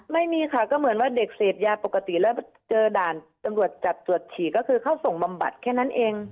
ไม่มีค่ะก็เหมือนว่าเด็กเสพยาปกติแล้วเจอด่านตำรวจจับตรวจฉี่ก็คือเข้าส่งบำบัดแค่นั้นเอง